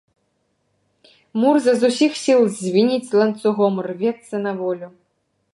Мурза з усіх сіл звініць ланцугом, рвецца на волю.